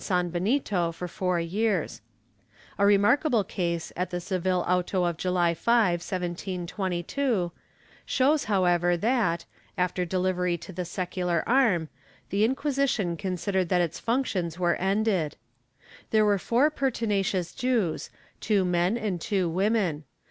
IV] PERTINACITY 197 and sanbenito for four years/ A remarkable case, at the Seville auto of July 5, 1722, ;^hows however that, after delivery to the secular arm, the Inquisition considered that its functions were ended. There were four pertinacious Jews, two men and two women.